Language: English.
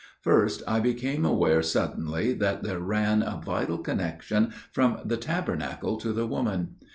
"First I became aware suddenly that there ran a vital connection from the Tabernacle to the woman.